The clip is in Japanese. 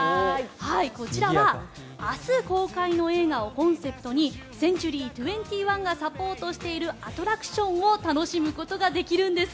こちらは明日公開の映画をコンセプトにセンチュリー２１がサポートしているアトラクションを楽しむことができるんです。